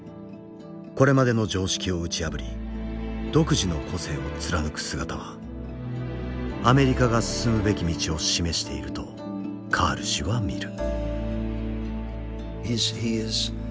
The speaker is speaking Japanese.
これまでの常識を打ち破り独自の個性を貫く姿はアメリカが進むべき道を示しているとカール氏は見る。